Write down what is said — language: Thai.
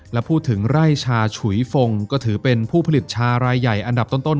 และพูดถึงไร่ชาฉุยฟงก็ถือเป็นผู้ผลิตชารายใหญ่อันดับต้น